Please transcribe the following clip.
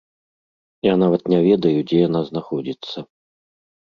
Я нават не ведаю дзе яна знаходзіцца.